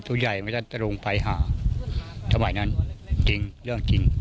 ผู้ใหญ่ไม่ได้จะลงไปหาสมัยนั้นจริงเรื่องจริง